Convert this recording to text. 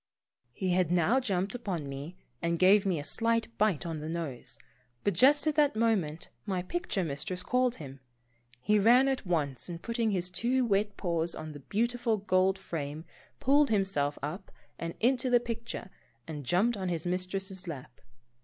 He had now jumped upon me and gave me a slight bite on the nose, but just at that moment my picture mistress called him. He ran at once, and putting his two wet paws on the beautiful gold frame pulled himself up and into the picture and jumped on his mistress's lap.